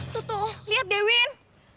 tuh tuh liat deh win